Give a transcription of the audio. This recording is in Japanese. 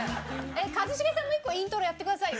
えっ一茂さんも１個イントロやってくださいよ